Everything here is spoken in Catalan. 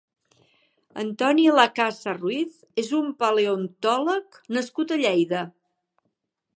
Antoni Lacasa-Ruiz és un paleontòleg nascut a Lleida.